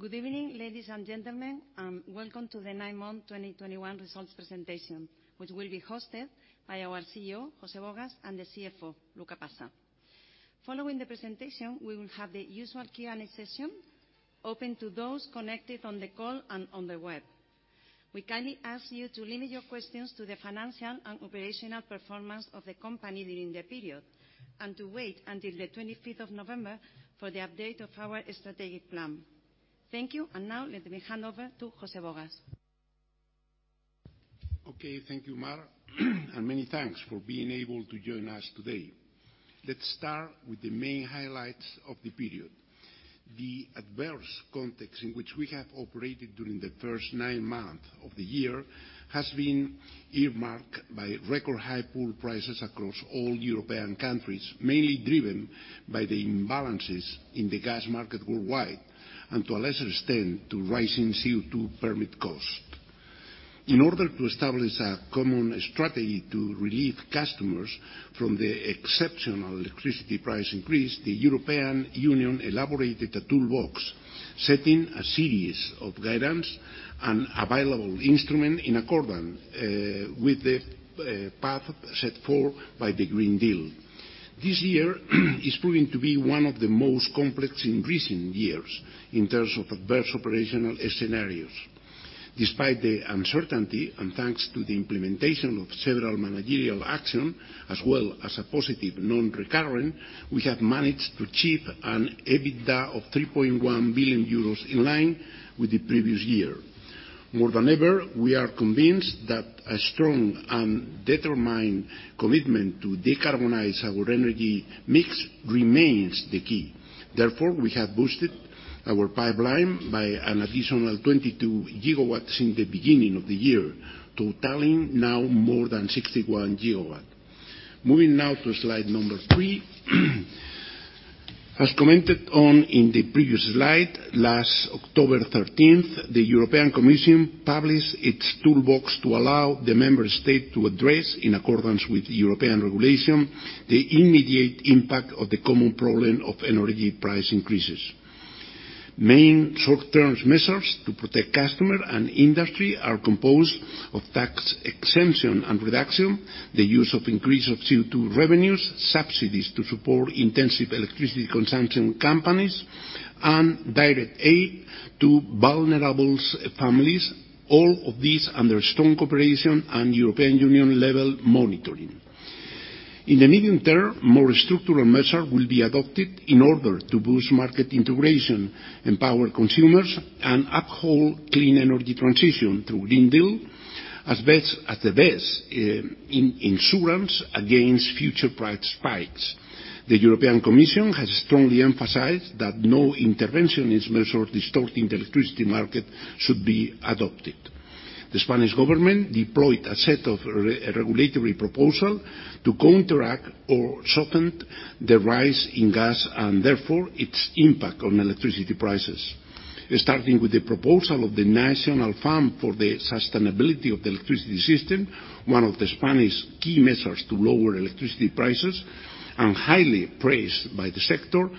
Good evening, ladies and gentlemen, and welcome to the 9-month 2021 results presentation, which will be hosted by our CEO, José Bogas, and the CFO, Luca Passa. Following the presentation, we will have the usual Q&A session open to those connected on the call and on the web. We kindly ask you to limit your questions to the financial and operational performance of the company during the period, and to wait until the 25th of November for the update of our strategic plan. Thank you, and now let me hand over to José Bogas. Okay, thank you, Mara, and many thanks for being able to join us today. Let's start with the main highlights of the period. The adverse context in which we have operated during the first 9 months of the year has been earmarked by record high pool prices across all European countries, mainly driven by the imbalances in the gas market worldwide and, to a lesser extent, rising CO2 permit costs. In order to establish a common strategy to relieve customers from the exceptional electricity price increase, the European Union elaborated a toolbox setting a series of guidance and available instruments in accordance with the path set forward by the European Green Deal. This year is proving to be one of the most complex in recent years in terms of adverse operational scenarios. Despite the uncertainty, and thanks to the implementation of several managerial actions as well as a positive non-recurring, we have managed to achieve an EBITDA of 3.1 billion euros, in line with the previous year. More than ever, we are convinced that a strong and determined commitment to decarbonize our energy mix remains the key. Therefore, we have boosted our pipeline by an additional 22 GW in the beginning of the year, totaling now more than 61 GW. Moving now to slide number 3. As commented on in the previous slide, last October thirteenth, the European Commission published its toolbox to allow the member states to address, in accordance with European regulation, the immediate impact of the common problem of energy price increases. Main short-term measures to protect customers and industry are composed of tax exemption and reduction, the use and increase of CO2 revenues, subsidies to support intensive electricity consumption companies, and direct aid to vulnerable families, all of these under strong cooperation and European Union level monitoring. In the medium term, more structural measures will be adopted in order to boost market integration, empower consumers, and uphold clean energy transition through Green Deal as the best insurance against future price spikes. The European Commission has strongly emphasized that no interventionist measure distorting the electricity market should be adopted. The Spanish government deployed a set of regulatory proposals to counteract or soften the rise in gas and, therefore, its impact on electricity prices. Starting with the proposal of the National Fund for the Sustainability of the Electricity System, one of the Spanish key measures to lower electricity prices and highly praised by the sector,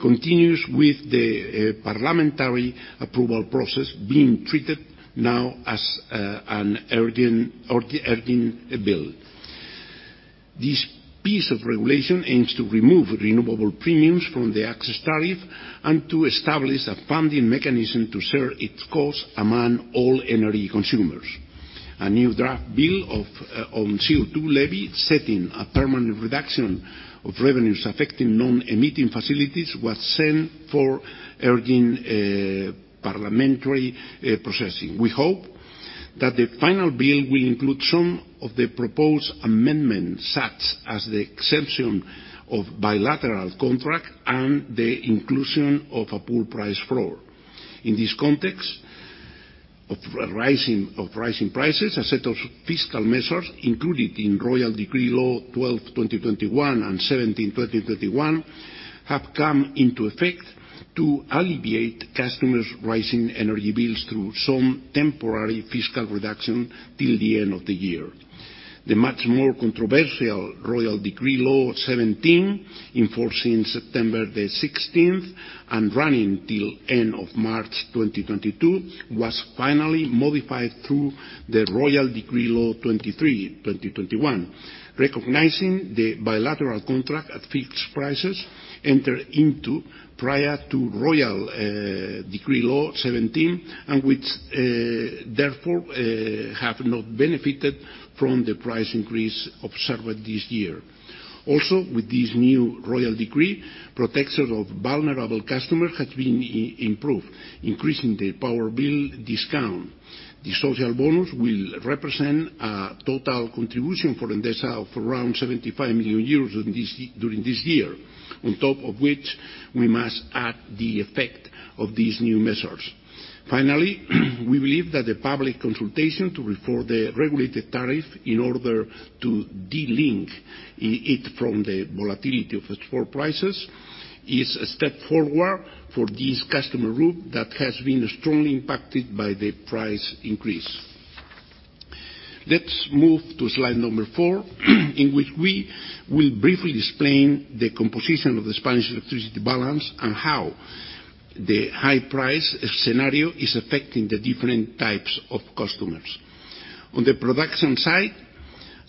continues with the parliamentary approval process being treated now as the urgent bill. This piece of regulation aims to remove renewable premiums from the access tariff and to establish a funding mechanism to share its cost among all energy consumers. A new draft bill on CO2 levy setting a permanent reduction of revenues affecting non-emitting facilities was sent for urgent parliamentary processing. We hope that the final bill will include some of the proposed amendments, such as the exception of bilateral contract and the inclusion of a pool price floor. In this context of rising prices, a set of fiscal measures included in Royal Decree-Law 12/2021 and 17/2021 have come into effect to alleviate customers' rising energy bills through some temporary fiscal reduction till the end of the year. The much more controversial Royal Decree-Law 17/2021, in force since September 16 and running till end of March 2022, was finally modified through the Royal Decree-Law 23/2021, recognizing the bilateral contract at fixed prices entered into prior to Royal Decree-Law 17/2021 and which, therefore, have not benefited from the price increase observed this year. Also, with this new royal decree, protection of vulnerable customers has been improved, increasing the power bill discount. The Social Bonus will represent a total contribution for Endesa of around 75 million euros during this year, on top of which we must add the effect of these new measures. Finally, we believe that the public consultation to reform the regulated tariff in order to de-link it from the volatility of spot prices is a step forward for this customer group that has been strongly impacted by the price increase. Let's move to slide number four, in which we will briefly explain the composition of the Spanish electricity balance and how the high price scenario is affecting the different types of customers. On the production side,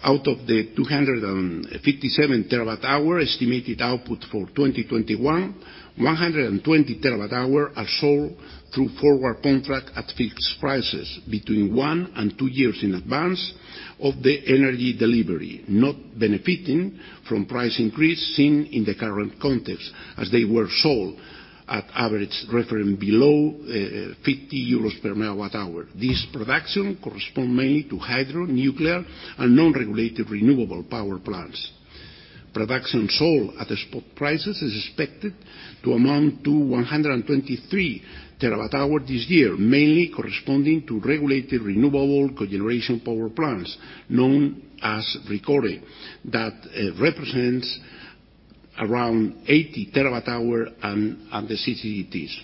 out of the 257 TWh estimated output for 2021, 120 TWh are sold through forward contract at fixed prices between 1 and 2 years in advance of the energy delivery, not benefiting from price increase seen in the current context, as they were sold at average reference below 50 euros per MWh. This production correspond mainly to hydro, nuclear, and non-regulated renewable power plants. Production sold at the spot prices is expected to amount to 123 TWh this year, mainly corresponding to regulated renewable cogeneration power plants known as RECORE, that represents around 80 TWh and the CCGTs.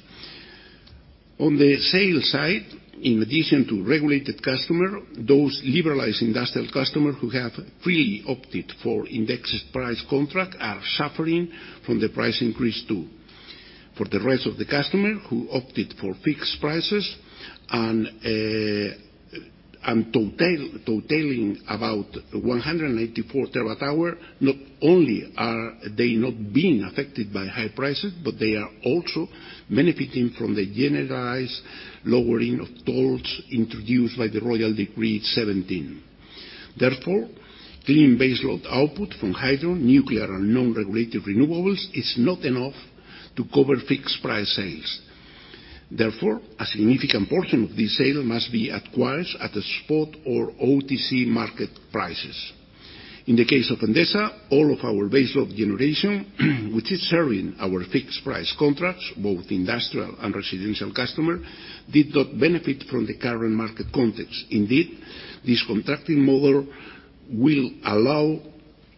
On the sales side, in addition to regulated customer, those liberalized industrial customer who have freely opted for indexed price contract are suffering from the price increase, too. For the rest of the customers who opted for fixed prices and totaling about 184 TWh, not only are they not being affected by high prices, but they are also benefiting from the generalized lowering of tolls introduced by the Royal Decree 17. Therefore, clean baseload output from hydro, nuclear, and non-regulated renewables is not enough to cover fixed price sales. Therefore, a significant portion of this sale must be acquired at the spot or OTC market prices. In the case of Endesa, all of our baseload generation which is serving our fixed price contracts, both industrial and residential customers, did not benefit from the current market context. Indeed, this contracting model will allow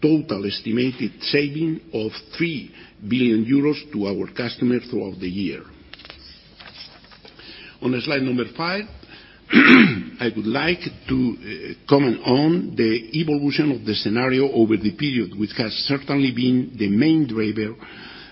total estimated savings of 3 billion euros to our customers throughout the year. On slide 5, I would like to comment on the evolution of the scenario over the period, which has certainly been the main driver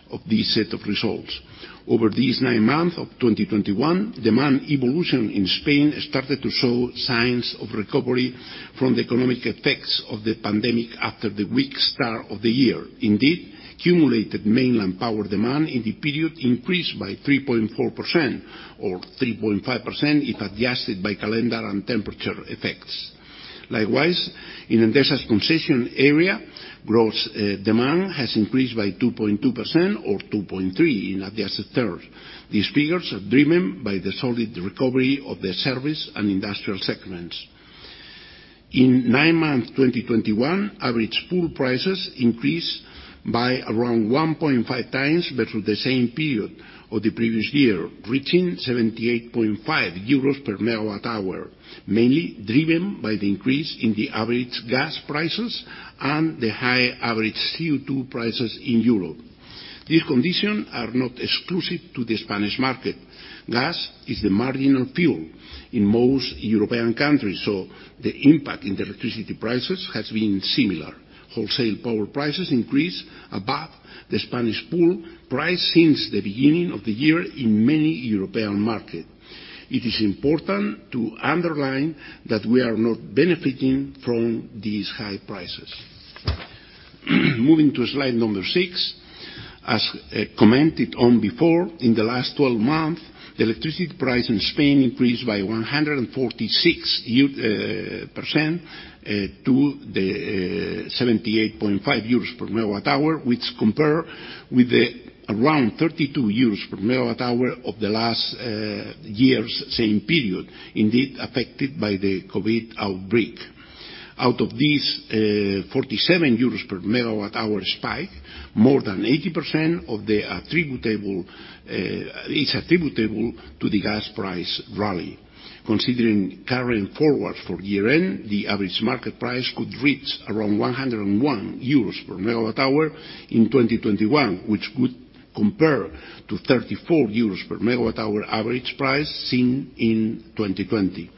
of this set of results. Over these 9 months of 2021, demand evolution in Spain started to show signs of recovery from the economic effects of the pandemic after the weak start of the year. Indeed, accumulated mainland power demand in the period increased by 3.4%, or 3.5% if adjusted by calendar and temperature effects. Likewise, in Endesa's concession area, gross demand has increased by 2.2% or 2.3% in adjusted terms. These figures are driven by the solid recovery of the service and industrial segments. In 9 months 2021, average pool prices increased by around 1.5 times versus the same period of the previous year, reaching 78.5 EUR/MWh, mainly driven by the increase in the average gas prices and the high average CO2 prices in Europe. These conditions are not exclusive to the Spanish market. Gas is the marginal fuel in most European countries, so the impact in the electricity prices has been similar. Wholesale power prices increased above the Spanish pool price since the beginning of the year in many European markets. It is important to underline that we are not benefiting from these high prices. Moving to slide 6. As commented on before, in the last 12 months, the electricity price in Spain increased by 146% to the 78.5 euros per MWh, which compare with the around 32 euros per MWh of the last year's same period, indeed affected by the COVID outbreak. Out of these 47 euros per MWh spike, more than 80% of the attributable is attributable to the gas price rally. Considering current forward for year end, the average market price could reach around 101 euros per MWh in 2021, which would compare to 34 euros per MWh average price seen in 2020.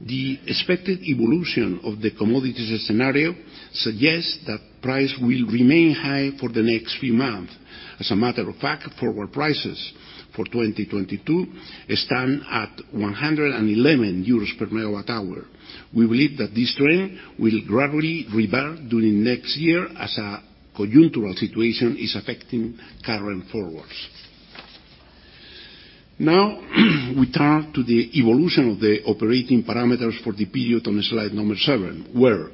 The expected evolution of the commodities scenario suggests that price will remain high for the next few months. As a matter of fact, forward prices for 2022 stand at 111 euros per MWh. We believe that this trend will gradually revert during next year as a conjuncture situation is affecting current forwards. Now, we turn to the evolution of the operating parameters for the period on slide 7, where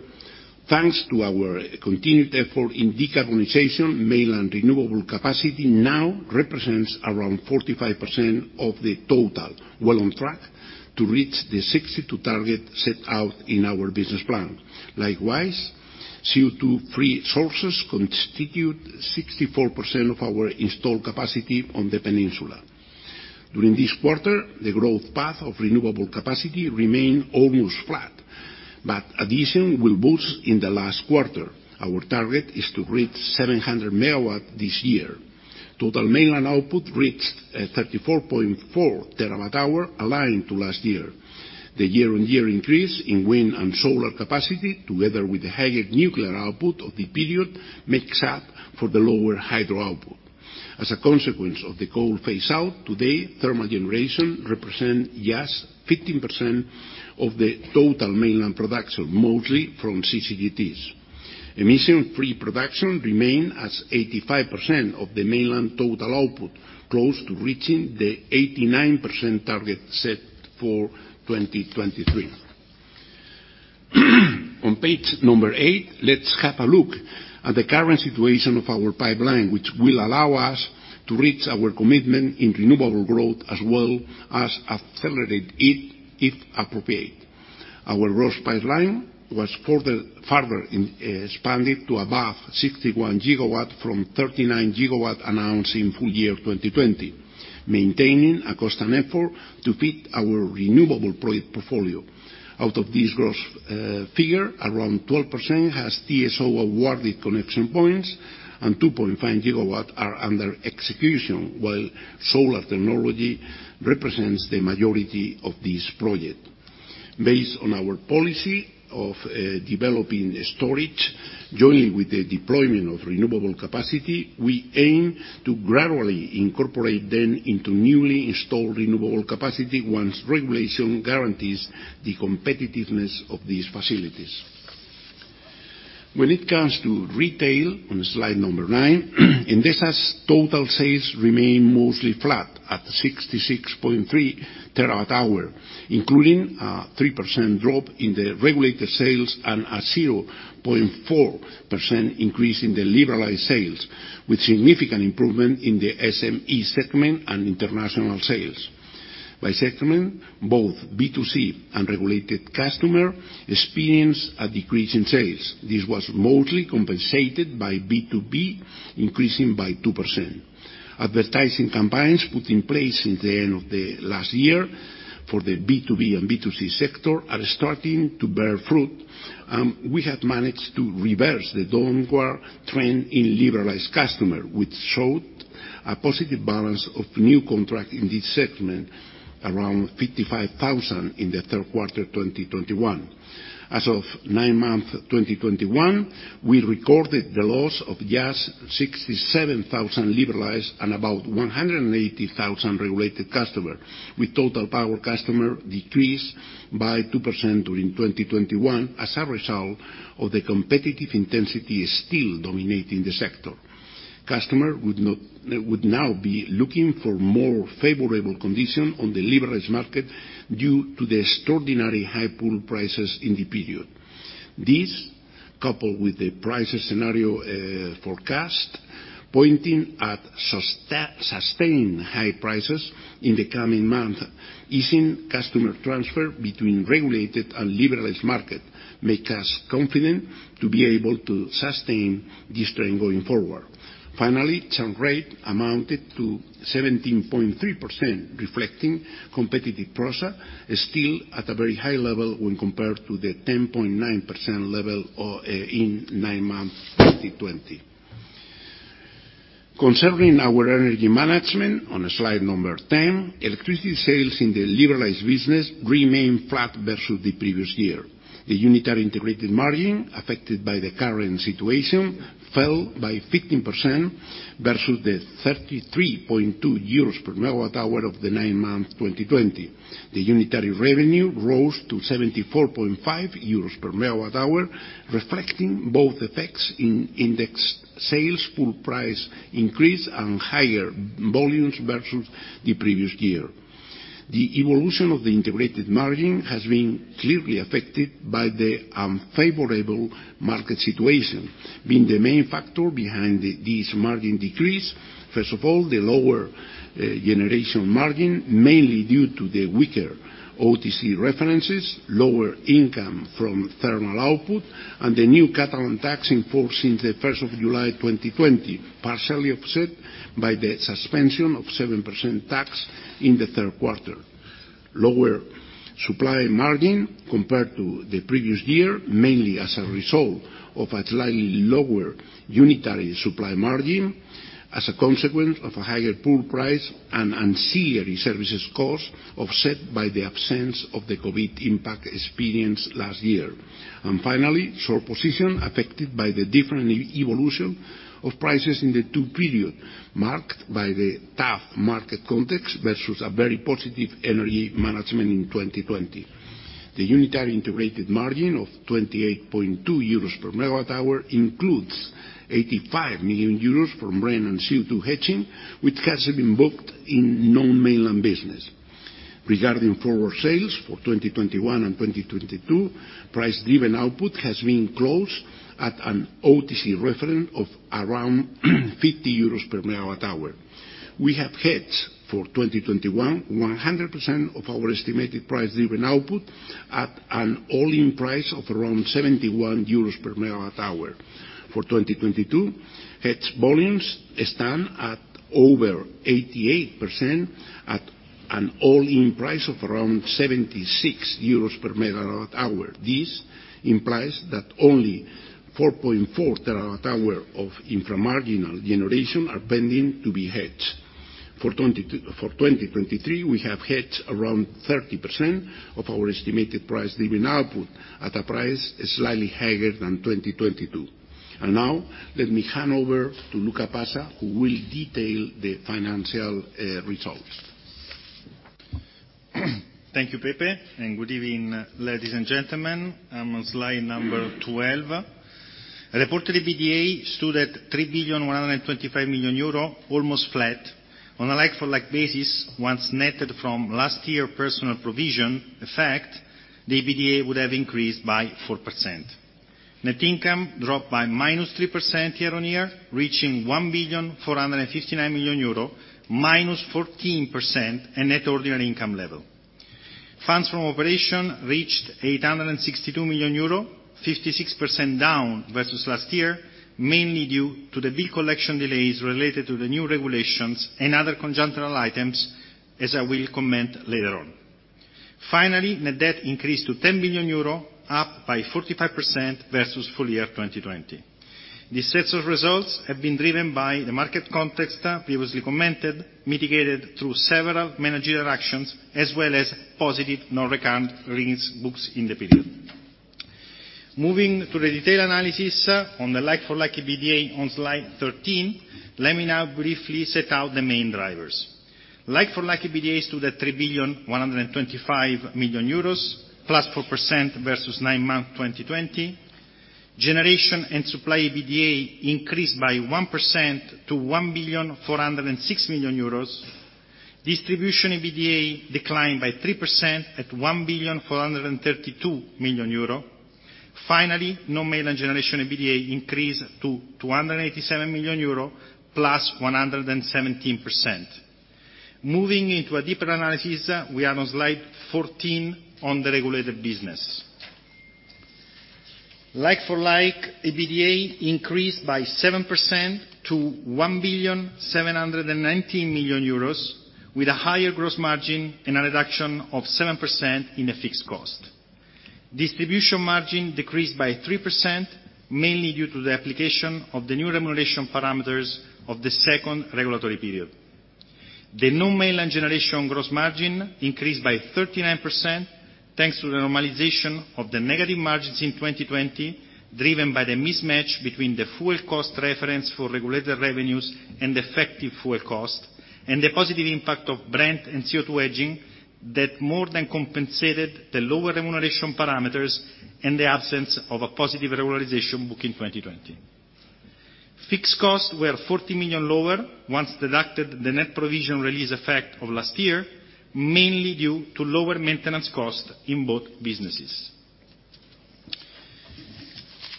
thanks to our continued effort in decarbonization, mainland renewable capacity now represents around 45% of the total, well on track to reach the 62 target set out in our business plan. Likewise, CO2 free sources constitute 64% of our installed capacity on the peninsula. During this 1/4, the growth path of renewable capacity remained almost flat, but addition will boost in the last 1/4. Our target is to reach 700 MW this year. Total mainland output reached 34.4 TWh, aligned to last year. The year-on-year increase in wind and solar capacity, together with the higher nuclear output of the period, makes up for the lower hydro output. As a consequence of the coal phase out, today, thermal generation represent just 15% of the total mainland production, mostly from CCGTs. Emission free production remain as 85% of the mainland total output, close to reaching the 89% target set for 2023. On page 8, let's have a look at the current situation of our pipeline, which will allow us to reach our commitment in renewable growth as well as accelerate it if appropriate. Our growth pipeline was further expanded to above 61 GW from 39 GW announced in full year 2020, maintaining a constant effort to fit our renewable project portfolio. Out of this growth, figure, around 12% has TSO awarded connection points, and 2.5 gigawatt are under execution, while solar technology represents the majority of this project. Based on our policy of developing storage, jointly with the deployment of renewable capacity, we aim to gradually incorporate them into newly installed renewable capacity once regulation guarantees the competitiveness of these facilities. When it comes to retail, on slide 9, Endesa's total sales remain mostly flat at 66.3 terawatt-hour, including a 3% drop in the regulated sales and a 0.4% increase in the liberalized sales, with significant improvement in the SME segment and international sales. By segment, both B2C and regulated customer experienced a decrease in sales. This was mostly compensated by B2B, increasing by 2%. Advertising campaigns put in place since the end of the last year for the B2B and B2C sector are starting to bear fruit. We have managed to reverse the downward trend in liberalized customers, which showed a positive balance of new contracts in this segment, around 55,000 in the third quarter 2021. As of 9-month 2021, we recorded the loss of just 67,000 liberalized and about 180,000 regulated customers, with total power customers decreased by 2% during 2021 as a result of the competitive intensity still dominating the sector. Customers would now be looking for more favorable conditions on the liberalized market due to the extraordinary high pool prices in the period. This, coupled with the prices scenario, forecast pointing at sustained high prices in the coming month, easing customer transfer between regulated and liberalized market make us confident to be able to sustain this trend going forward. Finally, churn rate amounted to 17.3%, reflecting competitive process still at a very high level when compared to the 10.9% level in 9M 2020. Concerning our energy management on slide 10, electricity sales in the liberalized business remain flat versus the previous year. The unitary integrated margin affected by the current situation fell by 15% versus the 33.2 EUR/MWh of the 9M 2020. The unitary revenue rose to 74.5 EUR/MWh, reflecting both effects in indexed sales pool price increase and higher volumes versus the previous year. The evolution of the integrated margin has been clearly affected by the unfavorable market situation, being the main factor behind this margin decrease. First of all, the lower generation margin, mainly due to the weaker OTC references, lower income from thermal output, and the new Catalan tax in force since the first of July 2020, partially offset by the suspension of 7% tax in the third quarter. Lower supply margin compared to the previous year, mainly as a result of a slightly lower unitary supply margin as a consequence of a higher pool price and ancillary services cost offset by the absence of the COVID impact experienced last year. Finally, short position affected by the different evolution of prices in the 2 periods marked by the tough market context versus a very positive energy management in 2020. The unitary integrated margin of 28.2 euros per MWh includes 85 million euros from rain and CO2 hedging, which hasn't been booked in non-mainland business. Regarding forward sales for 2021 and 2022, price-driven output has been closed at an OTC referent of around 50 euros per MWh. We have hedged for 2021 100% of our estimated price-driven output at an all-in price of around 71 euros per MWh. For 2022, hedged volumes stand at over 88% at an all-in price of around 76 euros per MWh. This implies that only 4.4 TWh of infra-marginal generation are pending to be hedged. For 2023, we have hedged around 30% of our estimated price-driven output at a price slightly higher than 2022. Now, let me hand over to Luca Passa, who will detail the financial results. Thank you, Pepe, and good evening, ladies and gentlemen. I'm on slide 12. Reported EBITDA stood at 3.125 billion, almost flat. On a like-for-like basis, once netted from last year personnel provision effect, the EBITDA would have increased by 4%. Net income dropped by -3% year-on-year, reaching 1.459 billion, -14% in net ordinary income level. Funds from operations reached 862 million euro, 56% down versus last year, mainly due to the bill collection delays related to the new regulations and other conjunctural items, as I will comment later on. Finally, net debt increased to 10 billion euro, up by 45% versus full year 2020. These sets of results have been driven by the market context previously commented, mitigated through several managerial actions, as well as positive non-recurrent gains booked in the period. Moving to the detail analysis on the like-for-like EBITDA on slide 13, let me now briefly set out the main drivers. Like-for-like EBITDA stood at 3,125 million euros, +4% versus 9 months 2020. Generation and supply EBITDA increased by 1% to 1,406 million euros. Distribution EBITDA declined by 3% at 1,432 million euros. Finally, non-main generation EBITDA increased to 287 million euros, +117%. Moving into a deeper analysis, we are on slide 14 on the regulated business. Like for like, EBITDA increased by 7% to 1,719 million euros, with a higher gross margin and a reduction of 7% in the fixed cost. Distribution margin decreased by 3%, mainly due to the application of the new remuneration parameters of the second regulatory period. The non-mainland generation gross margin increased by 39%, thanks to the normalization of the negative margins in 2020, driven by the mismatch between the fuel cost reference for regulated revenues and effective fuel cost, and the positive impact of Brent and CO2 hedging that more than compensated the lower remuneration parameters and the absence of a positive revaluation booked in 2020. Fixed costs were 40 million lower once deducted the net provision release effect of last year, mainly due to lower maintenance costs in both businesses.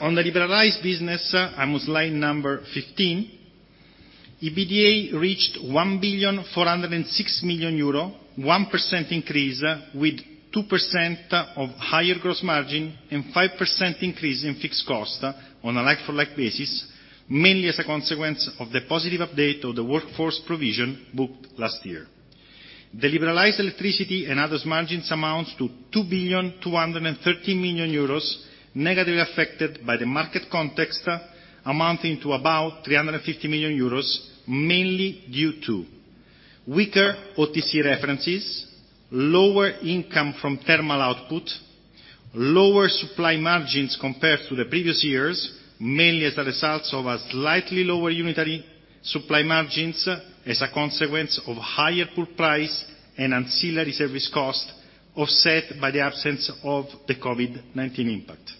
On the liberalized business, I'm on slide 15, EBITDA reached EUR 1.406 billion, 1% increase, with 2% higher gross margin and 5% increase in fixed cost on a like-for-like basis, mainly as a consequence of the positive update of the workforce provision booked last year. The liberalized electricity and others margins amounts to 2.23 billion, negatively affected by the market context, amounting to about 350 million euros, mainly due to weaker OTC references, lower income from thermal output, lower supply margins compared to the previous years, mainly as the results of a slightly lower unitary supply margins as a consequence of higher pool price and ancillary service cost, offset by the absence of the COVID-19 impact.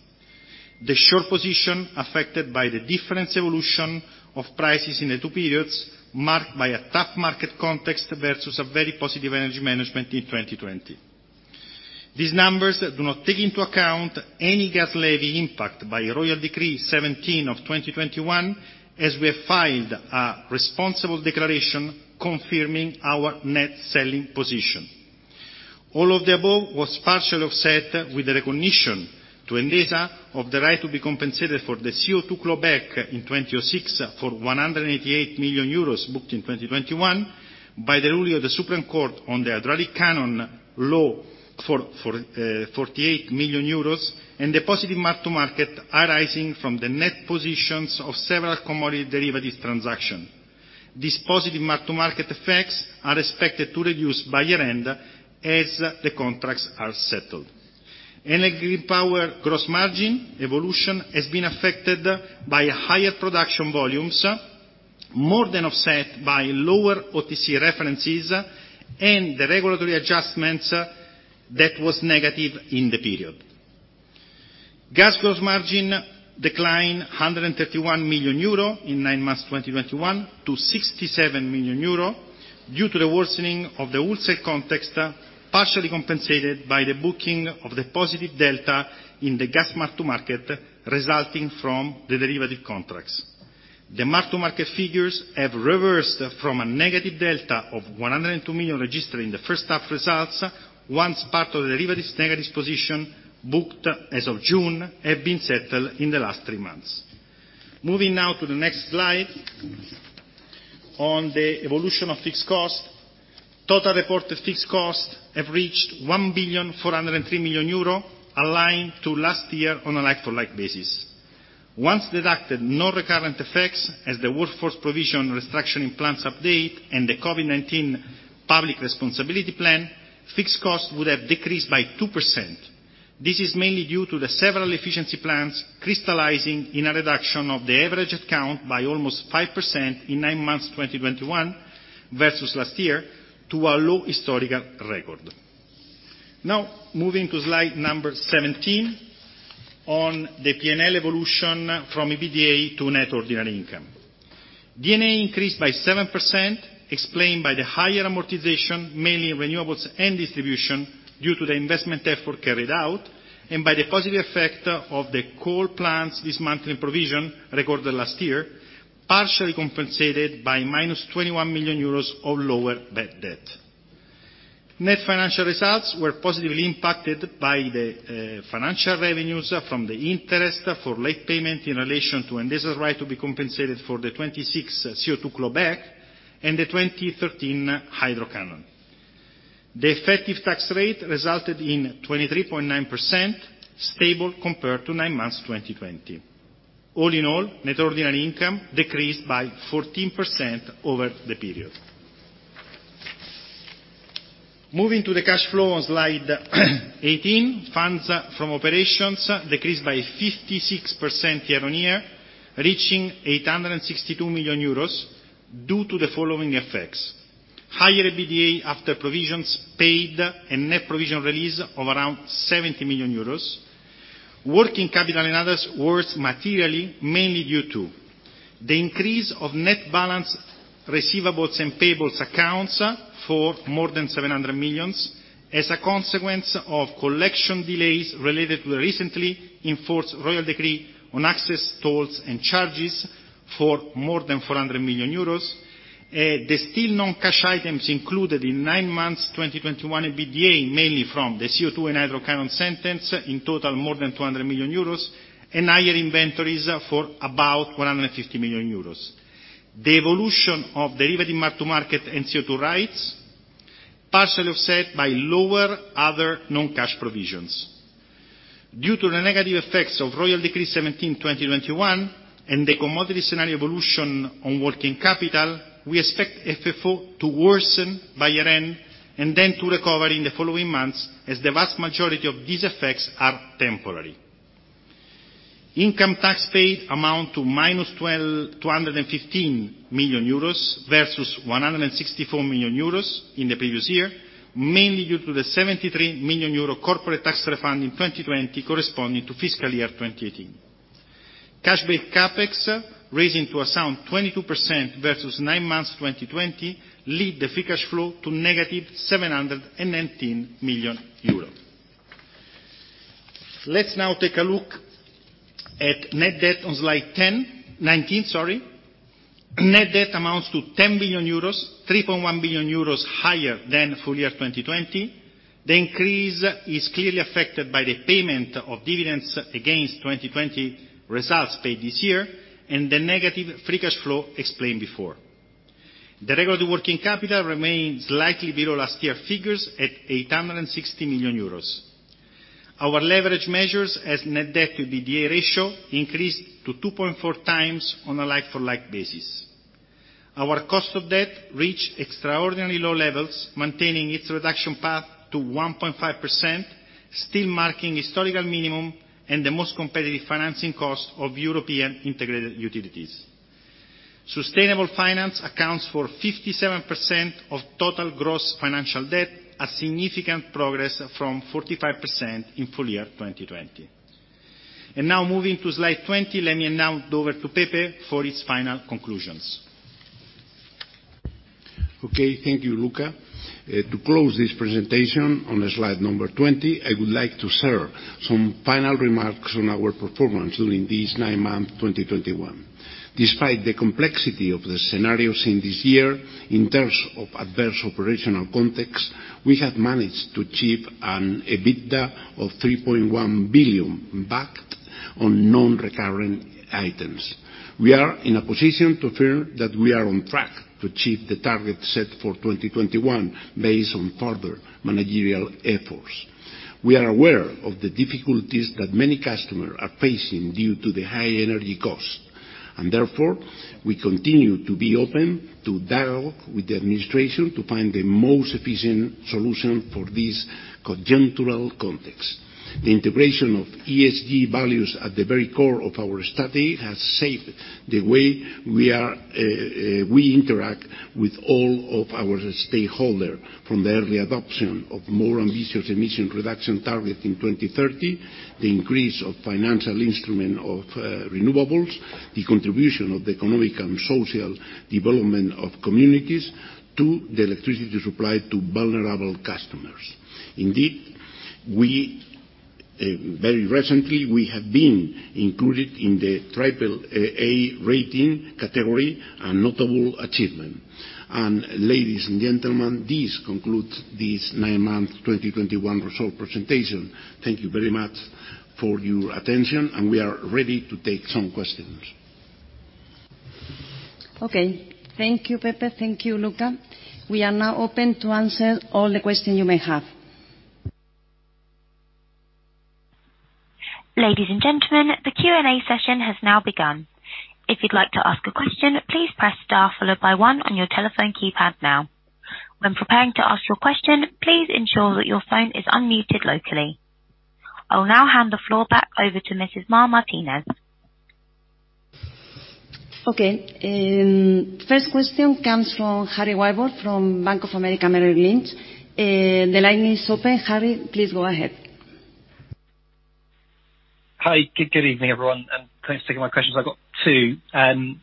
The short position affected by the difference evolution of prices in the 2 periods, marked by a tough market context versus a very positive energy management in 2020. These numbers do not take into account any gas levy impact by Royal Decree-Law 17/2021, as we have filed a responsible declaration confirming our net selling position. All of the above was partially offset with the recognition to Endesa of the right to be compensated for the CO2 clawback in 2006 for 188 million euros booked in 2021, by the ruling of the Supreme Court on the hydraulic canon law for 48 million euros, and the positive mark-to-market arising from the net positions of several commodity derivatives transaction. These positive mark-to-market effects are expected to reduce by year-end as the contracts are settled. Enel Green Power gross margin evolution has been affected by higher production volumes, more than offset by lower OTC references and the regulatory adjustments that was negative in the period. Gas gross margin declined 131 million euro in 9 months 2021 to 67 million euro due to the worsening of the wholesale context, partially compensated by the booking of the positive delta in the gas mark-to-market resulting from the derivative contracts. The mark-to-market figures have reversed from a negative delta of 102 million registered in the first 1/2 results, once part of the derivatives negatives position booked as of June have been settled in the last 3 months. Moving now to the next slide, on the evolution of fixed cost. Total reported fixed cost have reached 1,403 million euro, aligned to last year on a like-for-like basis. Once deducted, no recurrent effects as the workforce provision restructuring plans update and the COVID-19 public responsibility plan, fixed costs would have decreased by 2%. This is mainly due to the several efficiency plans crystallizing in a reduction of the average account by almost 5% in 9 months 2021 versus last year, to a low historical record. Now, moving to slide 17 on the P&L evolution from EBITDA to net ordinary income. D&A increased by 7%, explained by the higher amortization, mainly in renewables and distribution, due to the investment effort carried out, and by the positive effect of the coal plants dismantling provision RECORE last year, partially compensated by -21 million euros of lower net debt. Net financial results were positively impacted by the financial revenues from the interest for late payment in relation to Enel's right to be compensated for the 26 CO2 clawback and the 2013 hydraulic canon. The effective tax rate resulted in 23.9%, stable compared to 9 months 2020. All in all, net ordinary income decreased by 14% over the period. Moving to the cash flow on slide 18, funds from operations decreased by 56% year-on-year, reaching 862 million euros due to the following effects, higher EBITDA after provisions paid, and net provision release of around 70 million euros. Working capital and others worse materially, mainly due to the increase of net balance receivables and payables accounts for more than 700 million as a consequence of collection delays related to the recently enforced royal decree on access, tolls, and charges for more than 400 million euros. The still non-cash items included in 9 months 2021 EBITDA, mainly from the CO2 and hydraulic canon sentence, in total, more than 200 million euros, and higher inventories for about 150 million euros. The evolution of derivative mark-to-market and CO2 rights, partially offset by lower other non-cash provisions. Due to the negative effects of Royal Decree-Law 17/2021 and the commodity scenario evolution on working capital, we expect FFO to worsen by year-end, and then to recover in the following months as the vast majority of these effects are temporary. Income tax paid amounted to -1,215 million euros versus 164 million euros in the previous year, mainly due to the 73 million euro corporate tax refund in 2020 corresponding to fiscal year 2018. Cash-based CapEx, rising to a sound 22% versus 9 months 2020, led the free cash flow to negative 719 million euros. Let's now take a look at net debt on slide 19. Net debt amounts to 10 billion euros, 3.1 billion euros higher than full year 2020. The increase is clearly affected by the payment of dividends against 2020 results paid this year and the negative free cash flow explained before. The regular working capital remains slightly below last year figures at 860 million euros. Our leverage measures as net debt to EBITDA ratio increased to 2.4 times on a like-for-like basis. Our cost of debt reached extraordinarily low levels, maintaining its reduction path to 1.5%, still marking historical minimum and the most competitive financing cost of European integrated utilities. Sustainable finance accounts for 57% of total gross financial debt, a significant progress from 45% in full year 2020. Now moving to slide 20, let me hand now over to Pepe for his final conclusions. Okay, thank you, Luca. To close this presentation on slide number 20, I would like to share some final remarks on our performance during these 9 months, 2021. Despite the complexity of the scenarios in this year, in terms of adverse operational context, we have managed to achieve an EBITDA of 3.1 billion, based on non-recurrent items. We are in a position to affirm that we are on track to achieve the target set for 2021, based on further managerial efforts. We are aware of the difficulties that many customers are facing due to the high energy cost, and therefore, we continue to be open to dialogue with the administration to find the most efficient solution for this challenging context. The integration of ESG values at the very core of our strategy has shaped the way we interact with all of our stakeholders, from the early adoption of more ambitious emission reduction targets in 2030, the increase of financial instruments for renewables, the contribution of the economic and social development of communities, to the electricity supply to vulnerable customers. Indeed, very recently we have been included in the AAA rating category, a notable achievement. Ladies and gentlemen, this concludes this 9-month 2021 results presentation. Thank you very much for your attention, and we are ready to take some questions. Okay. Thank you, Pepe. Thank you, Luca. We are now open to answer all the questions you may have. Ladies and gentlemen, the Q&A session has now begun. If you'd like to ask a question, please press star followed by one on your telephone keypad now. When preparing to ask your question, please ensure that your phone is unmuted locally. I will now hand the floor back over to Mrs. Mar Martínez. Okay. First question comes from Harry Wyburd from Bank of America Merrill Lynch. The line is open. Harry, please go ahead. Hi. Good evening, everyone, and thanks for taking my questions. I've got 2, and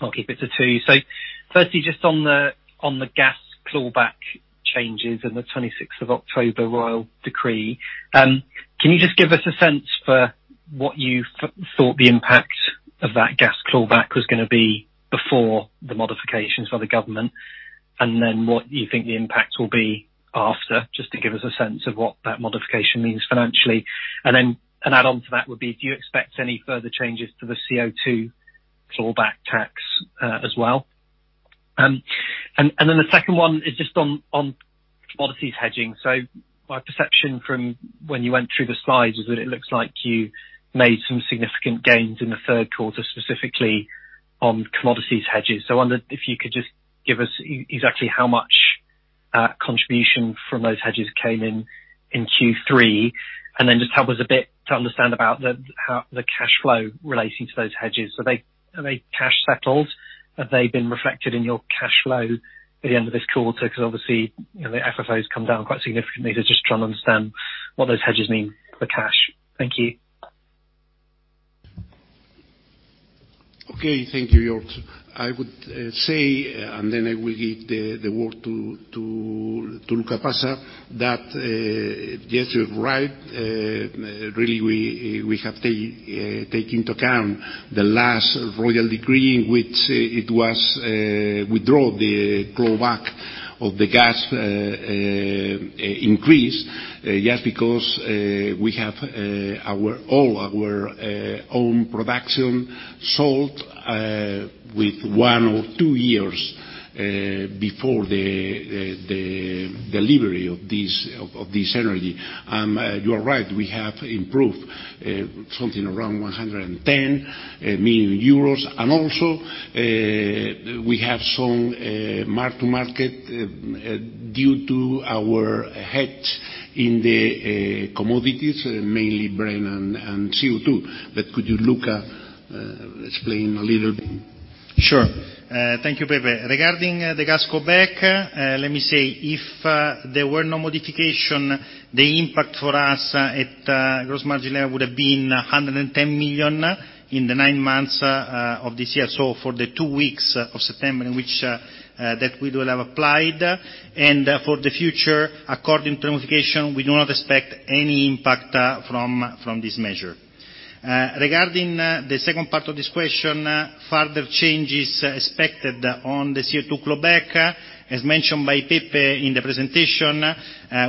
I'll keep it to 2. Firstly, just on the gas clawback changes in the 26th of October royal decree, can you just give us a sense for what you thought the impact of that gas clawback was gonna be before the modifications by the government, and then what you think the impact will be after, just to give us a sense of what that modification means financially? Then an add-on to that would be, do you expect any further changes to the CO2 clawback tax, as well? Then the second one is just on commodities hedging. My perception from when you went through the slides is that it looks like you made some significant gains in the third quarter, specifically on commodities hedges. I wondered if you could just give us exactly how much contribution from those hedges came in in Q3, and then just help us a bit to understand how the cash flow relating to those hedges. Are they cash settled? Have they been reflected in your cash flow at the end of this 1/4? 'Cause obviously, you know, the FFOs come down quite significantly, so just trying to understand what those hedges mean for cash. Thank you. Okay, thank you, George. I would say and then I will give the word to Luca Passa that yes, you're right. Really we have take into account the last Royal Decree in which it was withdraw the clawback of the gas increase yes because we have all our own production sold with one or 2 years before the delivery of this energy. You are right, we have improved something around 110 million euros. And also we have some mark-to-market due to our hedge in the commodities, mainly Brent and CO2. Could you, Luca, explain a little bit? Sure. Thank you, Pepe. Regarding the gas clawback, let me say, if there were no modification, the impact for us at gross margin level would have been 110 million in the 9 months of this year, so for the 2 weeks of September in which that we will have applied. For the future, according to notification, we do not expect any impact from this measure. Regarding the second part of this question, further changes expected on the CO2 clawback, as mentioned by Pepe in the presentation,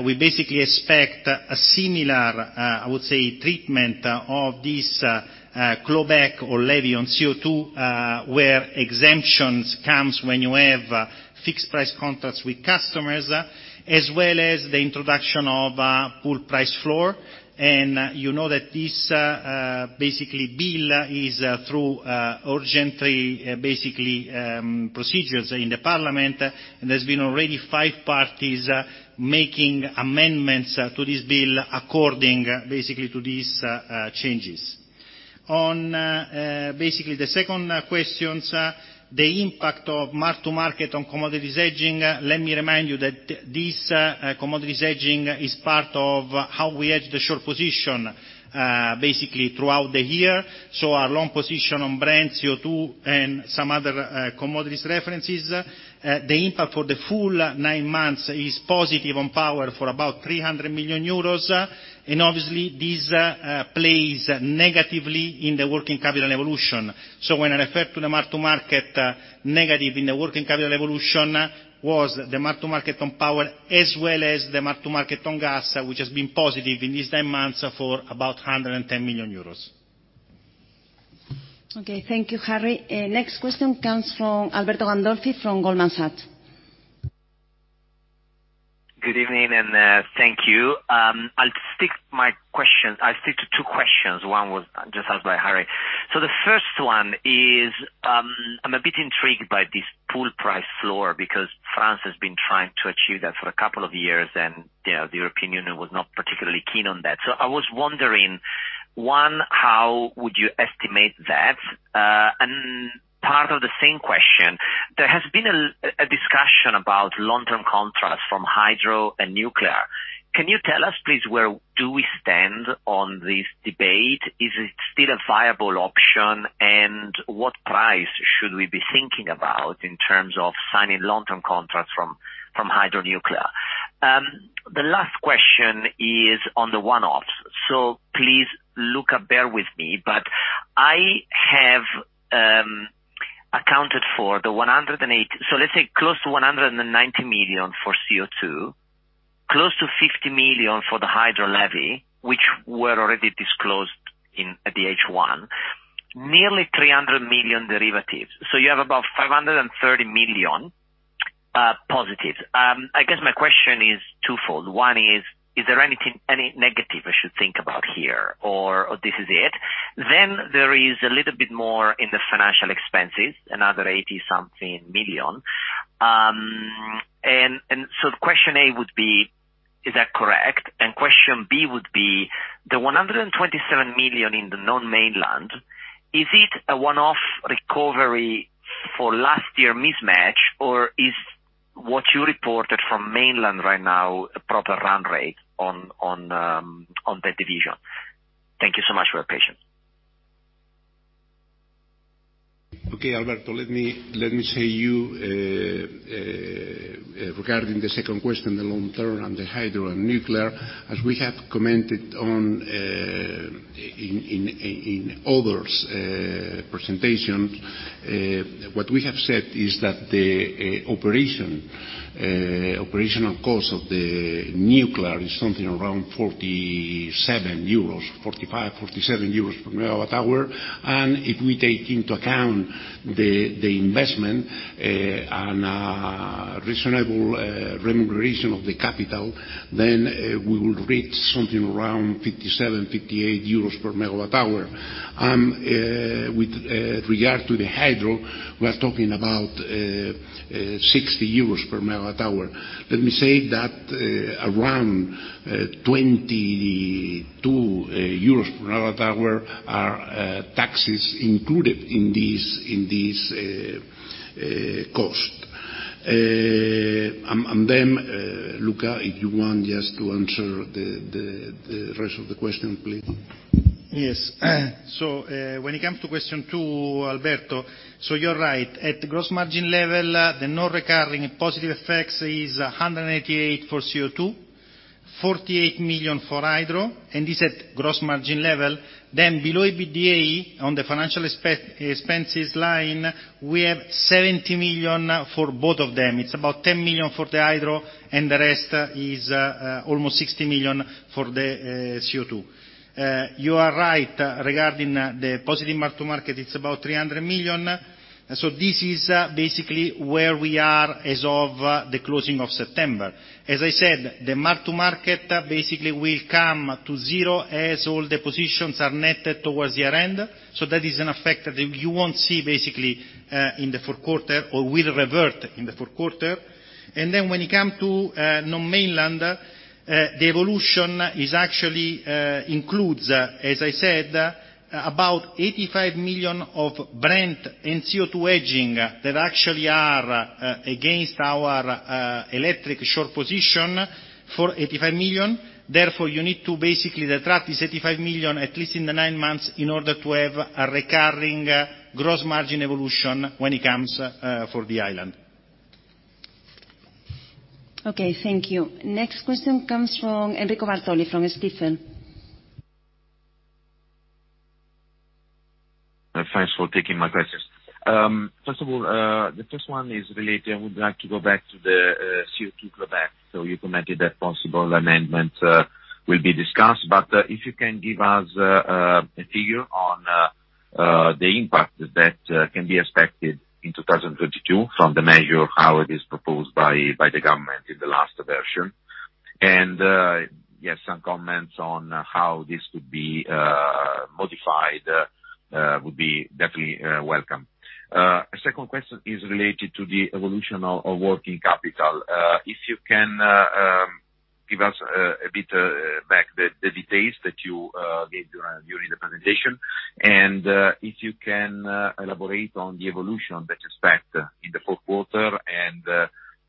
we basically expect a similar, I would say, treatment of this clawback or levy on CO2, where exemptions comes when you have fixed price contracts with customers, as well as the introduction of a pool price floor. You know that this bill is through urgent procedures in the parliament. There's been already 5 parties making amendments to this bill according to these changes. On the second question, the impact of mark-to-market on commodities hedging, let me remind you that this commodities hedging is part of how we hedge the short position basically throughout the year, so our long position on Brent, CO2, and some other commodities references. The impact for the full 9 months is positive on power for about 300 million euros, and obviously this plays negatively in the working capital evolution. The main effect on the mark-to-market negative in the working capital evolution was the mark-to-market on power as well as the mark-to-market on gas, which has been positive in these 10 months for about 110 million euros. Okay. Thank you, Harry. Next question comes from Alberto Gandolfi from Goldman Sachs. Good evening, thank you. I'll stick to 2 questions. One was just asked by Harry. The first one is, I'm a bit intrigued by this pool price floor because France has been trying to achieve that for a couple of years, and, you know, the European Union was not particularly keen on that. I was wondering, one, how would you estimate that? And part of the same question, there has been a discussion about long-term contracts from hydro and nuclear. Can you tell us, please, where do we stand on this debate? Is it still a viable option? And what price should we be thinking about in terms of signing long-term contracts from hydro and nuclear? The last question is on the one-offs. Please, Luca, bear with me, but I have accounted for close to 190 million for CO2. 50 million for the hydro levy, which were already disclosed in the H1. Nearly 300 million derivatives. So you have about 530 million positives. I guess my question is 2fold. One is there anything, any negative I should think about here or this is it? Then there is a little bit more in the financial expenses, another 80-something million. And so question A would be, is that correct? Question B would be, the 127 million in the non-mainland, is it a one-off recovery for last year mismatch, or is what you reported from mainland right now a proper run rate on that division? Thank you so much for your patience. Okay, Alberto, let me say to you regarding the second question, the long term and the hydro and nuclear, as we have commented on in other presentations, what we have said is that the operational cost of the nuclear is something around 45-47 euros per MWh. If we take into account the investment and reasonable remuneration of the capital, then we will reach something around 57-58 euros per MWh. With regard to the hydro, we are talking about 60 euros per MWh. Let me say that around 22 euros per MWh are taxes included in these costs. Luca, if you want just to answer the rest of the question, please. Yes. When it comes to question 2, Alberto, you're right. At gross margin level, the non-recurring positive effects is 188 for CO2, 48 million for hydro, and this at gross margin level. Then below EBITDA, on the financial expenses line, we have 70 million for both of them. It's about 10 million for the hydro, and the rest is almost 60 million for the CO2. You are right regarding the positive mark-to-market, it's about 300 million. This is basically where we are as of the closing of September. As I said, the mark-to-market basically will come to zero as all the positions are netted towards the year-end. That is an effect that you won't see basically in the fourth 1/4 or will revert in the fourth 1/4. When it comes to non-mainland, the evolution actually includes, as I said, about 85 million of Brent and CO2 hedging that actually are against our electric short position for 85 million. Therefore, you need to basically detract this 85 million at least in the 9 months in order to have a recurring gross margin evolution when it comes for the island. Okay, thank you. Next question comes from Enrico Bartoli from Stephens. Thanks for taking my questions. First of all, the first one is related. I would like to go back to the CO2 clawback. You commented that possible amendment will be discussed, but if you can give us a figure on the impact that can be expected in 2022 from the measure of how it is proposed by the government in the last version. Yes, some comments on how this could be modified would be definitely welcome. Second question is related to the evolution of working capital. If you can give us a bit of the details that you gave during the presentation. If you can elaborate on the evolution that you expect in the fourth 1/4 and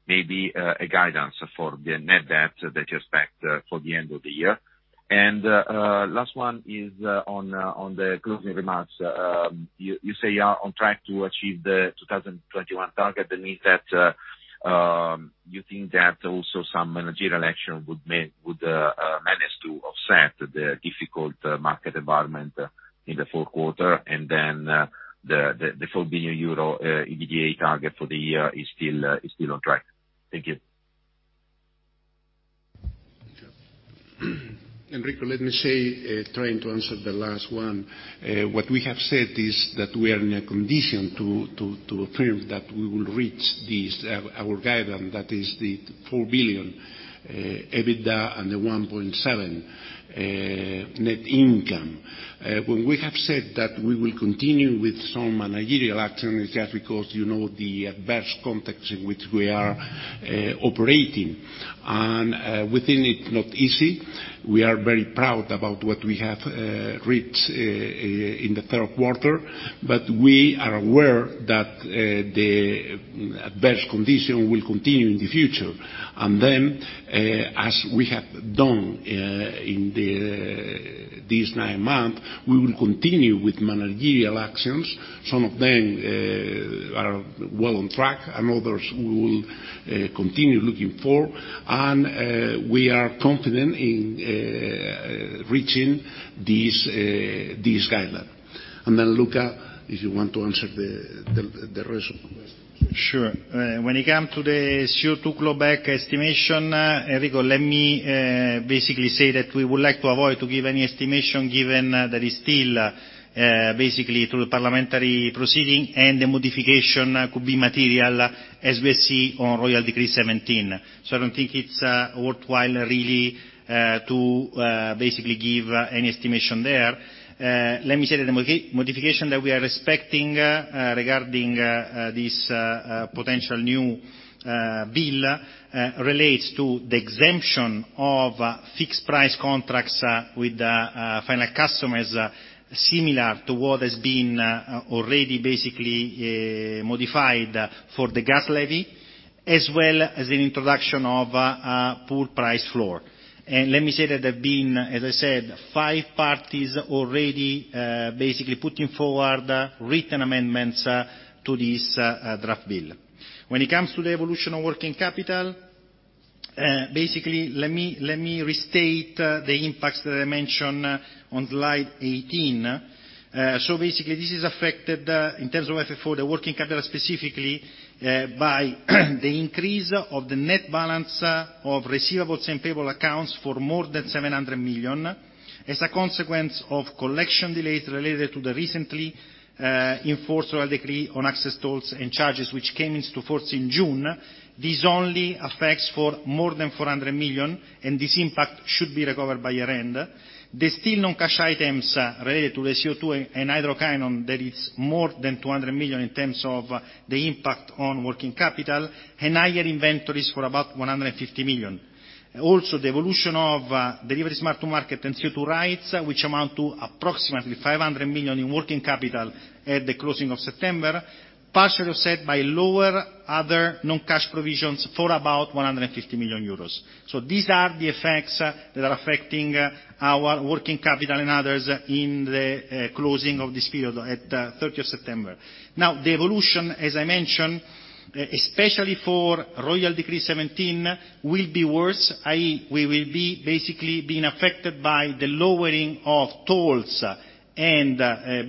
maybe a guidance for the net debt that you expect for the end of the year. Last one is on the closing remarks. You say you are on track to achieve the 2021 target. That means that you think that also some managerial action would manage to offset the difficult market environment in the fourth 1/4, and then the 4 billion euro EBITDA target for the year is still on track. Thank you. Enrico, let me say, trying to answer the last one. What we have said is that we are in a condition to affirm that we will reach these our guidance, that is the 4 billion EBITDA and the 1.7 billion net income. When we have said that we will continue with some managerial action, it's just because you know the adverse context in which we are operating. Within it not easy, we are very proud about what we have reached in the third quarter. We are aware that the adverse condition will continue in the future. As we have done in this 9 month, we will continue with managerial actions. Some of them are well on track, and others we will continue looking for. We are confident in reaching these guideline. Then, Luca, if you want to answer the rest of the question. Sure. When it comes to the CO2 clawback estimation, Enrico, let me basically say that we would like to avoid to give any estimation given there is still basically through parliamentary proceeding, and the modification could be material as we see on Royal Decree 17. I don't think it's worthwhile really to basically give any estimation there. Let me say that the modification that we are expecting regarding this potential new bill relates to the exemption of fixed price contracts with final customers, similar to what has been already basically modified for the gas levy, as well as the introduction of a pool price floor. Let me say that there have been, as I said, 5 parties already basically putting forward written amendments to this draft bill. When it comes to the evolution of working capital, basically, let me restate the impacts that I mentioned on slide 18. Basically, this is affected in terms of FFO, the working capital specifically, by the increase of the net balance of receivables and payable accounts for more than 700 million as a consequence of collection delays related to the recently enforced royal decree on access tolls and charges which came into force in June. This only affects for more than 400 million, and this impact should be recovered by year-end. The still non-cash items related to the CO2 and hydro canon, there is more than 200 million in terms of the impact on working capital, and higher inventories for about 150 million. The evolution of derivatives mark-to-market and CO2 rights, which amount to approximately 500 million in working capital at the end of September, partially offset by lower other non-cash provisions for about 150 million euros. These are the effects that are affecting our working capital and others in the end of this period at the end of September. Now, the evolution, as I mentioned, especially for Royal Decree 17, will be worse, i.e., we will be basically being affected by the lowering of tolls and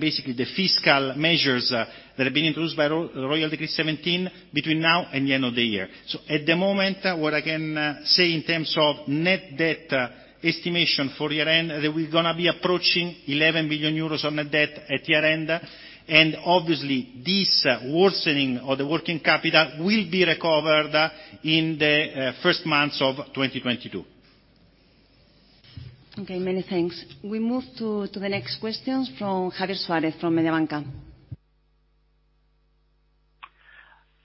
basically the fiscal measures that have been introduced by Royal Decree 17 between now and the end of the year. At the moment, what I can say in terms of net debt estimation for year-end, that we're gonna be approaching 11 billion euros on net debt at year-end. Obviously, this worsening of the working capital will be recovered in the first months of 2022. Okay, many thanks. We move to the next question from Javier Suárez from Mediobanca.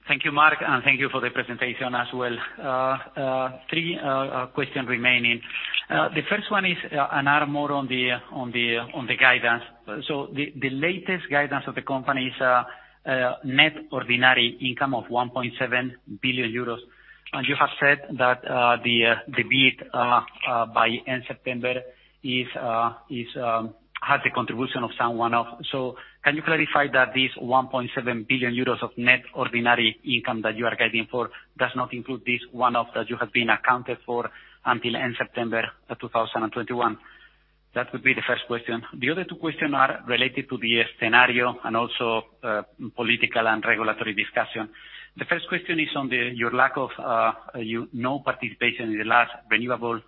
Thank you, Mar Martínez, and thank you for the presentation as well. Three questions remaining. The first one is one more on the guidance. The latest guidance of the company is net ordinary income of 1.7 billion euros. You have said that the beat by end-September 2021 has a contribution of some one-off. Can you clarify that this 1.7 billion euros of net ordinary income that you are guiding for does not include this one-off that you have accounted for until end-September 2021? That would be the first question. The other 2 questions are related to the scenario and also political and regulatory discussion. The first question is on your lack of, you know, participation in the last renewable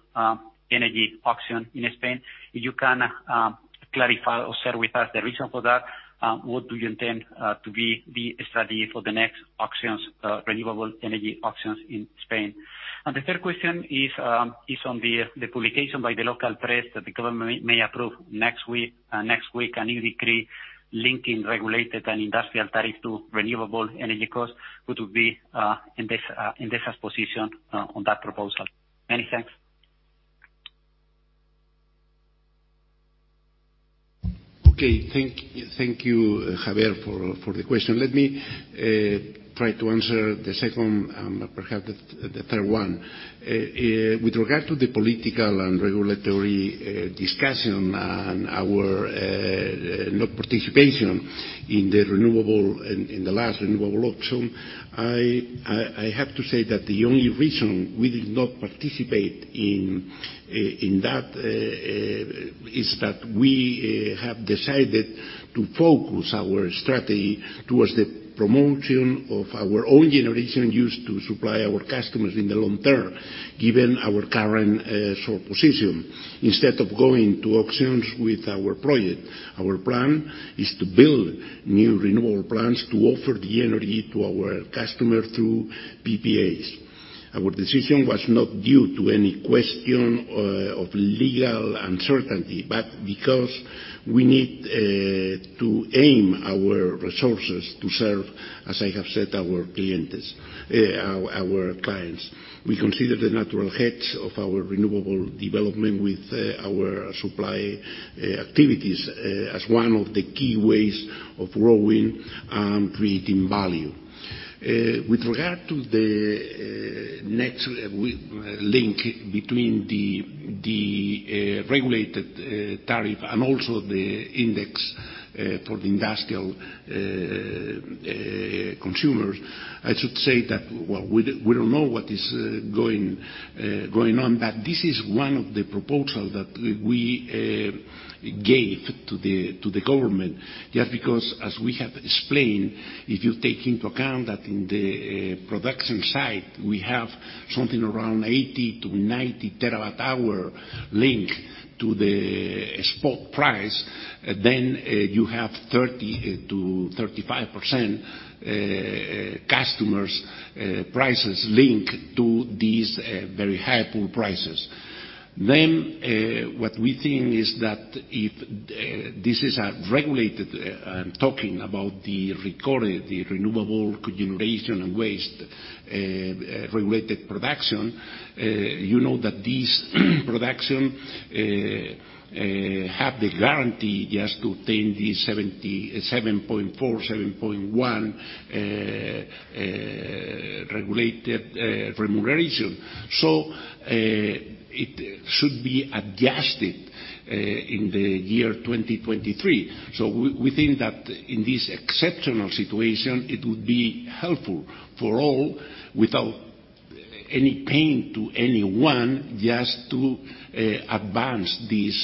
energy auction in Spain. If you can clarify or share with us the reason for that, what do you intend to be the strategy for the next auctions, renewable energy auctions in Spain? The 1/3 question is on the publication by the local press that the government may approve next week a new decree linking regulated and industrial tariff to renewable energy costs. What would be Endesa's position on that proposal? Many thanks. Okay. Thank you, Javier, for the question. Let me try to answer the second and perhaps the 1/3 one. With regard to the political and regulatory discussion and our non-participation in the last renewable auction. I have to say that the only reason we did not participate in that is that we have decided to focus our strategy towards the promotion of our own generation used to supply our customers in the long term, given our current short position. Instead of going to auctions with our project, our plan is to build new renewable plants to offer the energy to our customer through PPAs. Our decision was not due to any question of legal uncertainty, but because we need to aim our resources to serve, as I have said, our clientes, our clients. We consider the natural hedge of our renewable development with our supply activities as one of the key ways of growing and creating value. With regard to the next link between the regulated tariff and also the index for the industrial consumers, I should say that, well, we don't know what is going on, but this is one of the proposals that we gave to the government, just because, as we have explained, if you take into account that in the production side, we have something around 80-90 terawatt-hours linked to the spot price, then you have 30%-35% customers prices linked to these very high pool prices. What we think is that if this is a regulated, I'm talking about the RECORE, the renewable cogeneration and waste, regulated production, you know that these production have the guarantee just to obtain the 77.4%, 71% regulated remuneration. It should be adjusted in the year 2023. We think that in this exceptional situation, it would be helpful for all, without any pain to anyone, just to advance this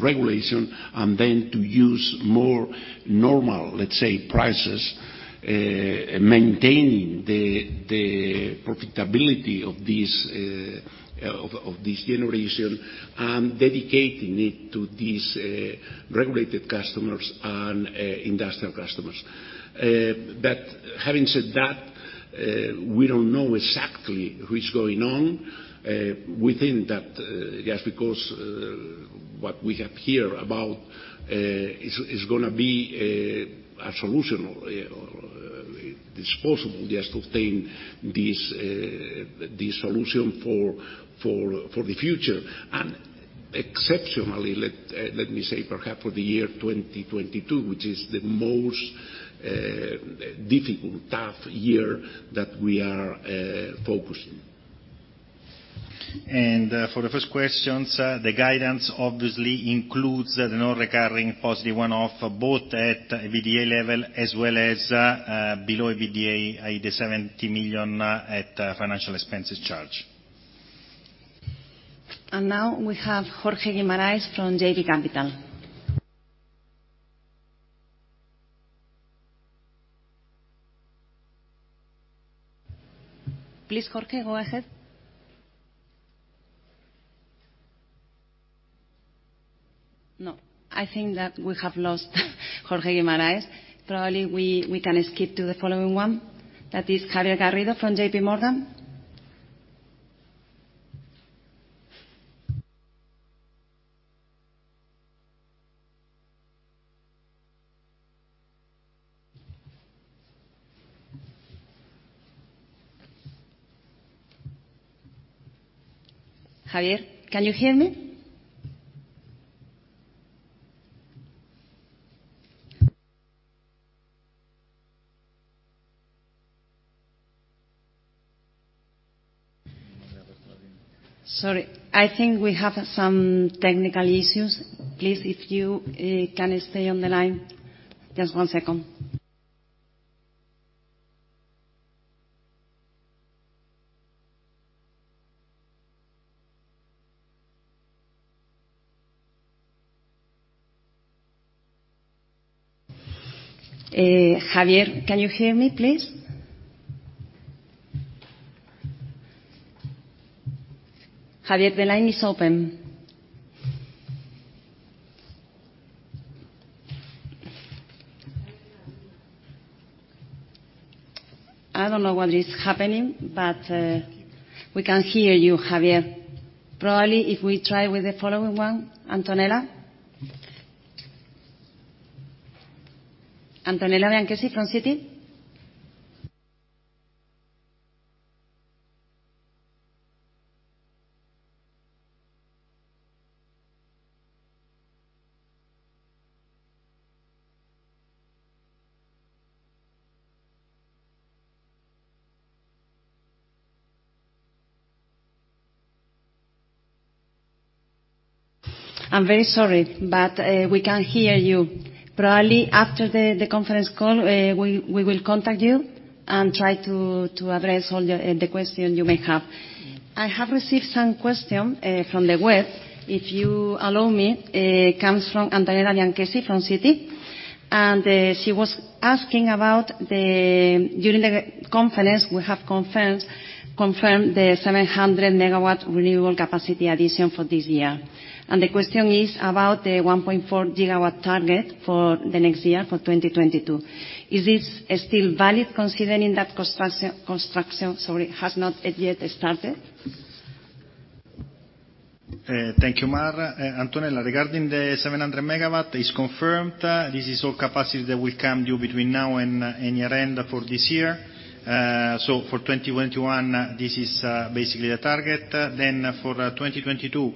regulation and then to use more normal, let's say, prices, maintaining the profitability of these of this generation and dedicating it to these regulated customers and industrial customers. Having said that, we don't know exactly what's going on within that just because what we have here about is gonna be a solution or it's possible just to obtain this, the solution for the future, and exceptionally, let me say perhaps for the year 2022, which is the most difficult, tough year that we are focusing. For the first questions, the guidance obviously includes the non-recurring positive one-off, both at EBITDA level as well as below EBITDA, i.e., the 70 million at financial expenses charge. Now we have Jorge Guimarães from JB Capital. Please, J`orge, go ahead. GNo, I think that we have lost Jorge Guimarães. Probably we can skip to the following one. That is Javier Garrido from JP Morgan. Javier, can you hear me? Sorry, I think we have some technical issues. Please, if you can stay on the line, just one second. Javier, can you hear me, please? Javier, the line is open. I don't know what is happening, but we can't hear you, Javier. Probably if we try with the following one, Antonella. Antonella Bianchessi from Citi? I'm very sorry, but we can't hear you. Probably after the conference call, we will contact you and try to address all the question you may have. I have received some question from the web, if you allow me. It comes from Antonella Bianchessi from Citi, and she was asking about the. During the conference, we have confirmed the 700 MW renewable capacity addition for this year. The question is about the 1.4 GW target for the next year, for 2022. Is this still valid, considering that construction has not yet started? Thank you, Mar. Antonella, regarding the 700 MW, it's confirmed. This is all capacity that will come due between now and year-end for this year. For 2021, this is basically the target. For 2022,